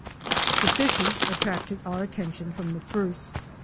The fishes attracted our attention from the first.